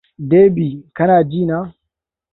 Debbie! Kana ji na?